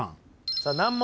さあ難問